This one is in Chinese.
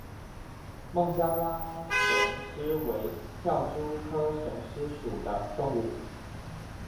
孟加拉蝇狮为跳蛛科蝇狮属的动物。